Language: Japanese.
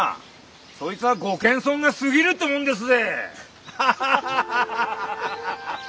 そいつはご謙遜が過ぎるってもんですぜ！